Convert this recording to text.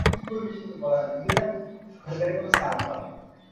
আমি তোমাদেরকে খুব ভালোবাসি।